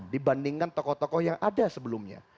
dibandingkan tokoh tokoh yang ada sebelumnya